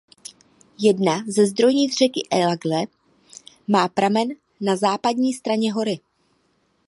Jedna ze zdrojnic řeky Eagle má pramen na západní straně hory.